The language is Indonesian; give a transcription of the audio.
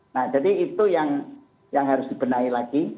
nah jadi itu yang harus dibenahi lagi